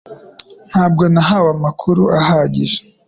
Ntabwo nahawe amakuru ahagije